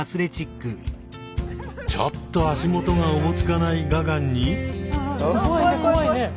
ちょっと足元がおぼつかないガガンに。